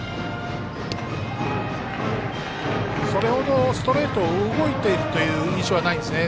それ程ストレート動いているという印象はないですね。